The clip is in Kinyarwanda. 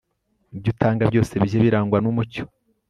ibyo utanga byose bijye birangwa n'umucyo